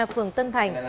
phường tân thành